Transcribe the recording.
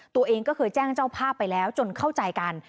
ตัวเองก็เคยแจ้งเจ้าภาพไปแล้วจนเข้าใจกัน